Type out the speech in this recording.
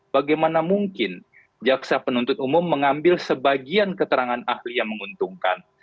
bagaimana mungkin jaksa penuntut umum mengambil sebagian keterangan ahli yang menguntungkan